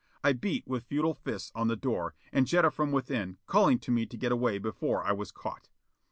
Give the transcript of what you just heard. I beat with futile fists on the door, and Jetta from within, calling to me to get away before I was caught.